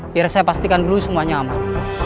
biar saya pastikan dulu semuanya aman